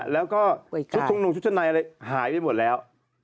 แล้วก็ชุดชุมนุมชุดชั้นในอะไรหายไปหมดแล้ว